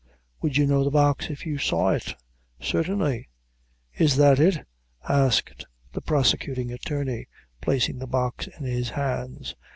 "Would you know the box if you saw it?" "Certainly!" "Is that it?" asked the prosecuting attorney, placing the box in his hands.